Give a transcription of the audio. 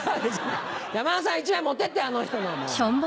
山田さん１枚持ってってあの人のもう。